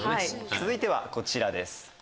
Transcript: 続いてはこちらです。